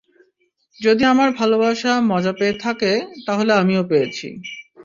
যদি আমার ভালবাসা মজা পেয়ে থাকে, তাহলে আমিও পেয়েছি।